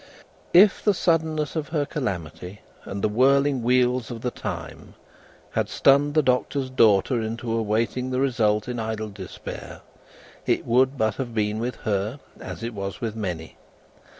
If the suddenness of her calamity, and the whirling wheels of the time, had stunned the Doctor's daughter into awaiting the result in idle despair, it would but have been with her as it was with many.